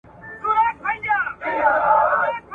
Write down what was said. موري خوږېږم سرتر نوکه د پرون له خوارۍ !.